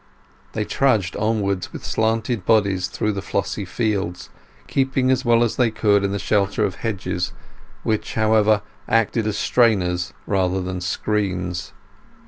They trudged onwards with slanted bodies through the flossy fields, keeping as well as they could in the shelter of hedges, which, however, acted as strainers rather than screens.